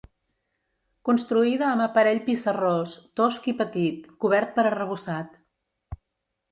Construïda amb aparell pissarrós, tosc i petit, cobert per arrebossat.